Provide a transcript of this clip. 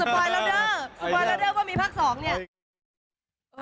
สปอยร์แล้วเด้อก็มีภาค๒เนี่ย